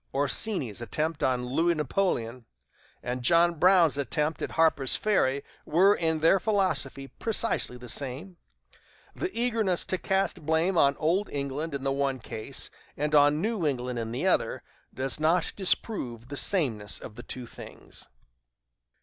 Orsini's attempt on Louis Napoleon and John Brown's attempt at Harper's Ferry were, in their philosophy, precisely the same. The eagerness to cast blame on old England in the one case, and on New England in the other, does not disprove the sameness of the two things."